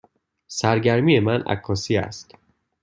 سرگرمی من عکاسی است.